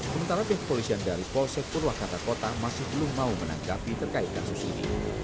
sementara pihak kepolisian dari polsek purwakarta kota masih belum mau menanggapi terkait kasus ini